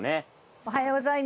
おはようございます。